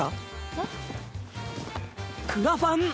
えっ？クラファン。